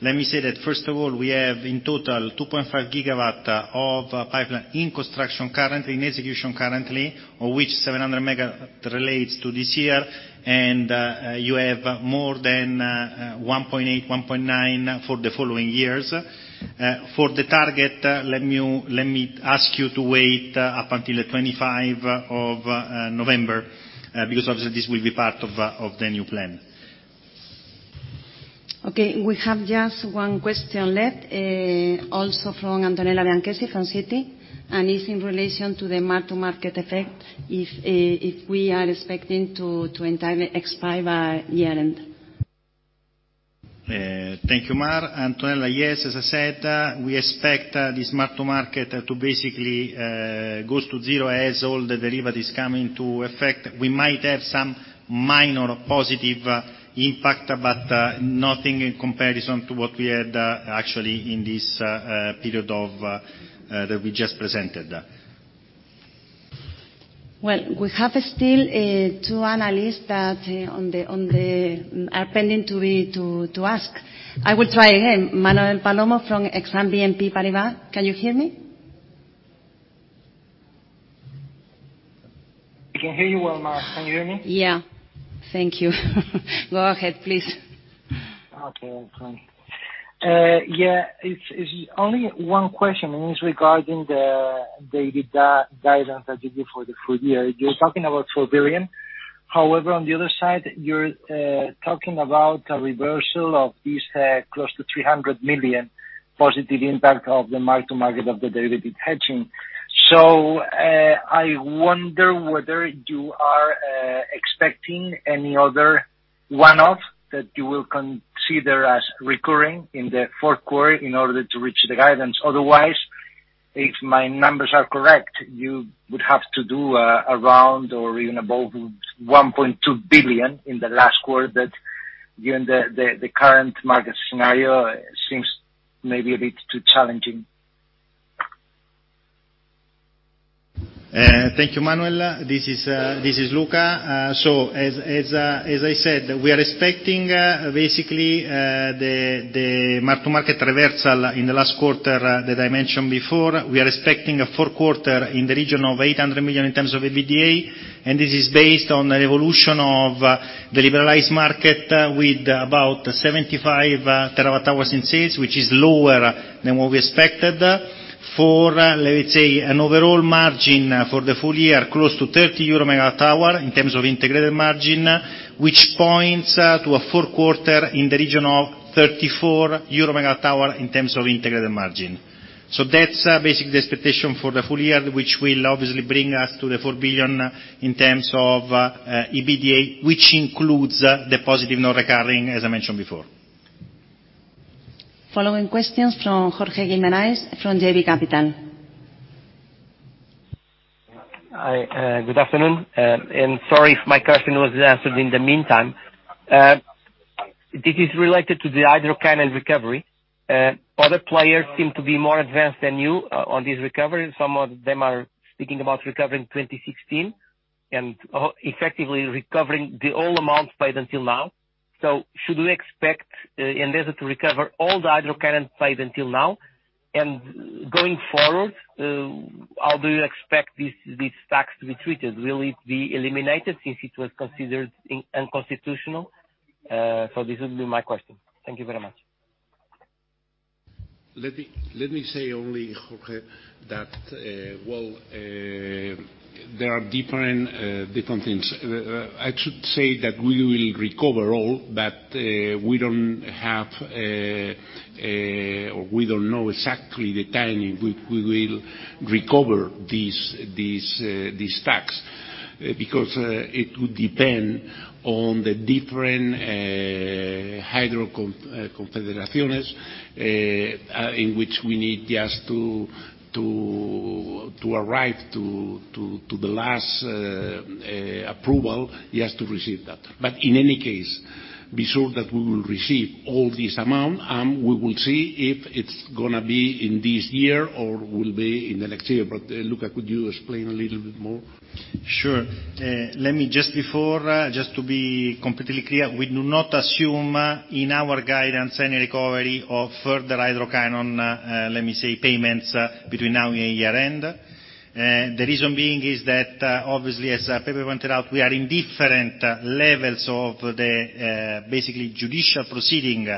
let me say that first of all, we have in total 2.5 GW of pipeline in construction currently, in execution currently, of which 700 MW relates to this year, and you have more than 1.8, 1.9 for the following years. For the target, let me ask you to wait until the 25 of November, because obviously this will be part of the new plan. Okay, we have just one question left, also from Antonella Bianchessi from Citi, and it's in relation to the mark-to-market effect, if we are expecting to entirely expire by year-end. Thank you, Mar. Antonella, yes, as I said, we expect this mark-to-market to basically goes to zero as all the derivatives come into effect. We might have some minor positive impact, but nothing in comparison to what we had actually in this period that we just presented. Well, we have still 2 analysts that are pending to ask. I will try again. Manuel Palomo from Exane BNP Paribas, can you hear me? I can hear you well, Mar. Can you hear me? Yeah. Thank you. Go ahead, please. Okay, I'm going. Yeah, it's only one question, and it's regarding the guidance that you gave for the full year. You're talking about 4 billion. However, on the other side, you're talking about a reversal of this close to 300 million positive impact of the mark-to-market of the derivative hedging. I wonder whether you are expecting any other one-off that you will consider as recurring in the fourth 1/4 in order to reach the guidance. Otherwise, if my numbers are correct, you would have to do around or even above 1.2 billion in the last 1/4 that, given the current market scenario, seems maybe a bit too challenging. Thank you, Manuel. This is Luca. As I said, we are expecting the mark-to-market reversal in the last 1/4 that I mentioned before. We are expecting a fourth 1/4 in the region of 800 million in terms of EBITDA, and this is based on the evolution of the liberalized market with about 75 TWh in sales, which is lower than what we expected. Let's say, an overall margin for the full year, close to 30 EUR/MWh in terms of integrated margin, which points to a fourth 1/4 in the region of 34 EUR/MWh in terms of integrated margin. That's basically the expectation for the full year, which will obviously bring us to 4 billion in terms of EBITDA, which includes the positive non-recurring, as I mentioned before. Following questions from Jorge Guimarães from JB Capital. Hi. Good afternoon, and sorry if my question was answered in the meantime. This is related to the hydro canon recovery. Other players seem to be more advanced than you on this recovery. Some of them are speaking about recovering 2016 and effectively recovering the old amounts paid until now. Should we expect Endesa to recover all the hydro canon paid until now? And going forward, how do you expect this tax to be treated? Will it be eliminated since it was considered unconstitutional? This would be my question. Thank you very much. Let me say only, Jorge, that well, there are different things. I should say that we will recover all, but we don't have or we don't know exactly the timing we will recover this tax. Because it will depend on the different hydro confederaciones in which we need just to arrive to the last approval just to receive that. In any case, be sure that we will receive all this amount, and we will see if it's gonna be in this year or will be in the next year. Luca, could you explain a little bit more? Sure. To be completely clear, we do not assume in our guidance any recovery of further hydro canon payments between now and year-end. The reason being is that, obviously, as Pepe pointed out, we are in different levels of the basically judicial proceeding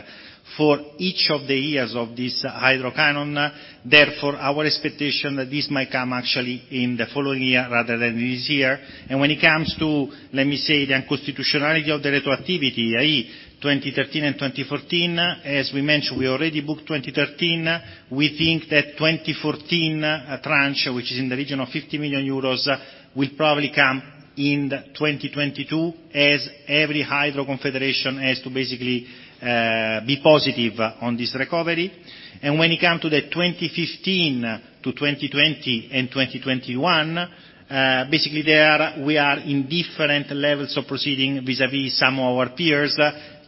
for each of the years of this Hydro canon. Therefore, our expectation that this might come actually in the following year rather than this year. When it comes to the unconstitutionality of the retroactivity, i.e., 2013 and 2014, as we mentioned, we already booked 2013. We think that 2014, a tranche, which is in the region of 50 million euros, will probably come in 2022, as every Hydrographic Confederation has to basically be positive on this recovery. When it come to the 2015 to 2020 and 2021, basically there, we are in different levels of proceeding vis-a-vis some of our peers.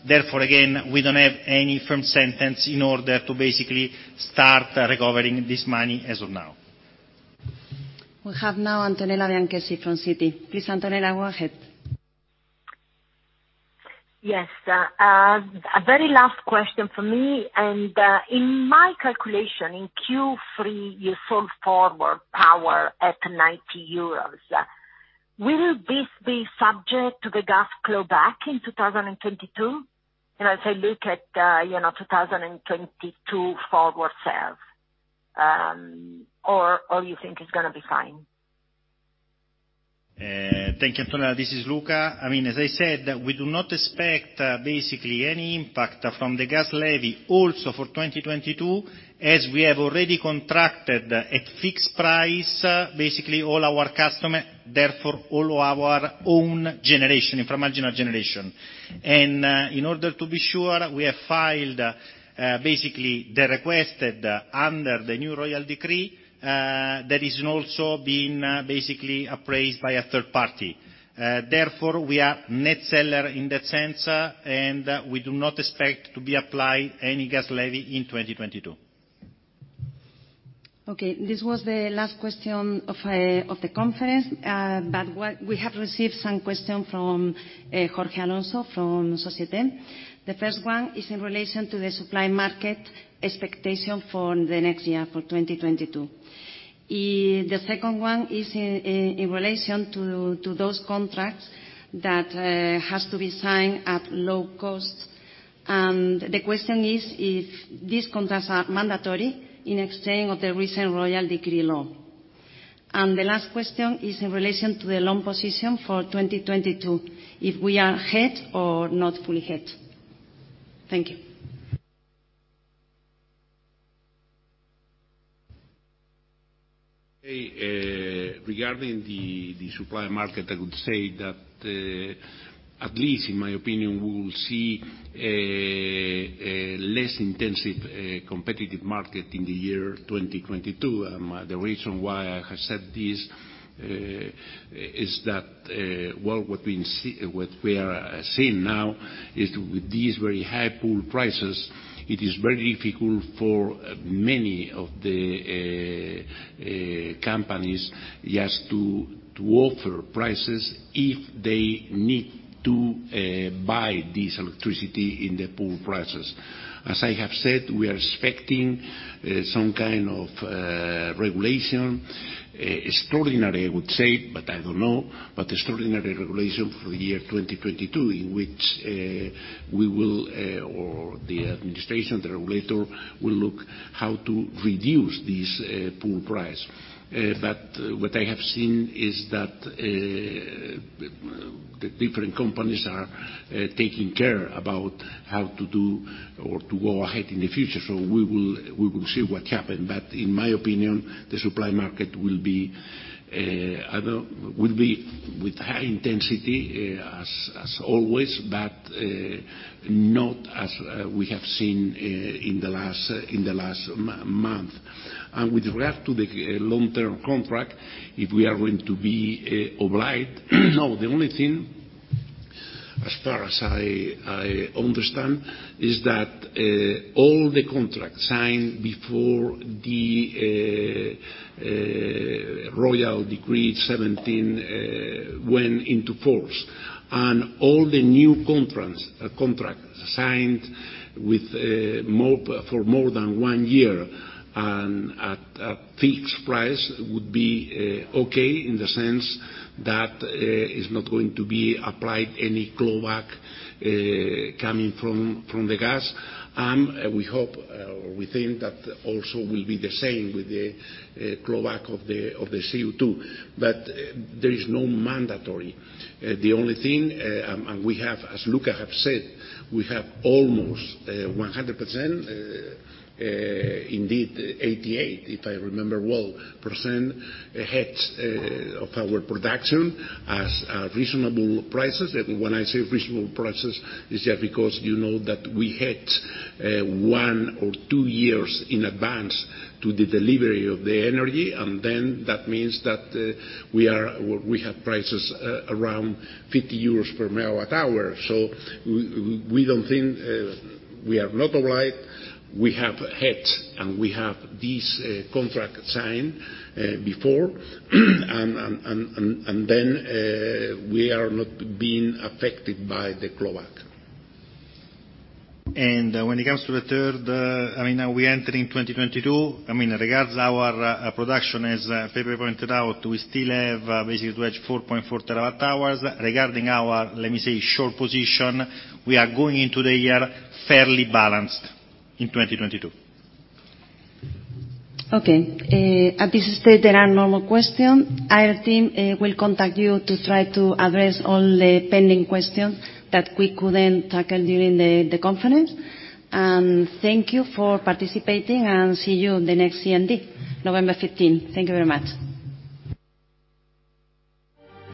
Therefore, again, we don't have any firm sentence in order to basically start recovering this money as of now. We have now Antonella Bianchessi from Citi. Please, Antonella, go ahead. Yes. A very last question from me. In my calculation, in Q3, you sold forward power at 90 euros. Will this be subject to the gas clawback in 2022? You know, if I look at, you know, 2022 forward sales. Or you think it's gonna be fine? Thank you, Antonella. This is Luca Passa. I mean, as I said, we do not expect basically any impact from the gas levy also for 2022, as we have already contracted at fixed price basically all our customer, therefore all our own generation, inframarginal generation. In order to be sure, we have filed basically the requested under the new royal decree that is also being basically appraised by a 1/3 party. Therefore, we are net seller in that sense, and we do not expect to be applied any gas levy in 2022. Okay, this was the last question of the conference. We have received some question from Jorge Alonso from Société Générale. The first one is in relation to the supply market expectation for the next year, for 2022. The second one is in relation to those contracts that has to be signed at low costs. The question is, if these contracts are mandatory in exchange of the recent Royal Decree-Law. The last question is in relation to the long position for 2022, if we are hedged or not fully hedged. Thank you. Regarding the supply market, I would say that, at least in my opinion, we will see a less intensive competitive market in the year 2022. The reason why I have said this is that what we are seeing now is with these very high pool prices, it is very difficult for many of the companies to offer prices if they need to buy this electricity in the pool prices. As I have said, we are expecting some kind of regulation, extraordinary I would say, but I don't know, but extraordinary regulation for the year 2022, in which we will or the administration, the regulator, will look how to reduce this pool price. What I have seen is that the different companies are taking care about how to do or to go ahead in the future. We will see what happen. In my opinion, the supply market will be with high intensity, as always, but not as we have seen in the last month. With regard to the long-term contract, if we are going to be obliged, no. The only thing, as far as I understand, is that all the contracts signed before the royal decree 7teen went into force. All the new contracts signed with, for more than one year and at a fixed price would be okay in the sense that it's not going to be applied any clawback coming from the gas. We hope or we think that also will be the same with the clawback of the CO2. But there is no mandatory. The only thing, and we have, as Luca have said, we have almost 100%, indeed 88%, if I remember well, hedged of our production at reasonable prices. When I say reasonable prices, is because you know that we hedged 1 or 2 years in advance to the delivery of the energy. That means that we have prices around 50 euros per MWh. We don't think we are not obliged. We have hedged, and we have this contract signed before. We are not being affected by the clawback. When it comes to the 1/3, I mean, are we entering 2022? I mean, regarding our production, as Pepe pointed out, we still have basically to hedge 4.4 TWh. Regarding our, let me say, short position, we are going into the year fairly balanced in 2022. Okay. At this stage, there are no more questions. Our team will contact you to try to address all the pending questions that we couldn't tackle during the conference. Thank you for participating, and see you the next CMD, November fifteenth. Thank you very much.